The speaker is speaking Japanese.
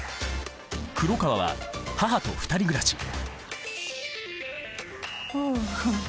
黒川は母と２人暮らしああ。